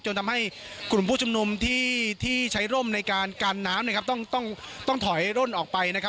ทำให้กลุ่มผู้ชุมนุมที่ที่ใช้ร่มในการกันน้ำนะครับต้องต้องถอยร่นออกไปนะครับ